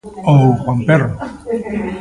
Ou Juan Perro.